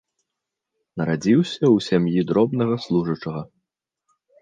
Нарадзіўся ў сям'і дробнага служачага.